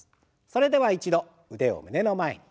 それでは一度腕を胸の前に。